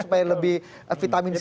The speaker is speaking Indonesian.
supaya lebih vitamin c